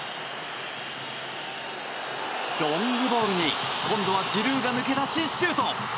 ロングボールに、今度はジルーが抜け出しシュート！